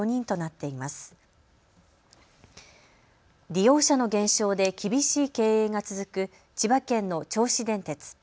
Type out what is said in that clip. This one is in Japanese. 利用者の減少で厳しい経営が続く千葉県の銚子電鉄。